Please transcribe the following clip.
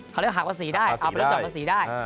เขาเรียกหักภาษีได้เอาไปรถจอดภาษีได้